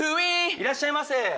いらっしゃいませ。